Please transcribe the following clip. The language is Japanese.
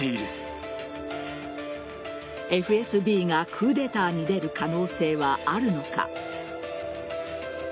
ＦＳＢがクーデターに出る可能性はあるのか。